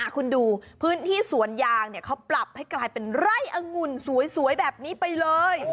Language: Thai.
คุณดูพื้นที่สวนยางเขาปรับให้กลายเป็นไร่อังุ่นสวยแบบนี้ไปเลย